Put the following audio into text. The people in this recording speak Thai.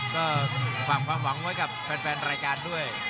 ก็ฝากความหวังไว้กับแฟนรายการด้วย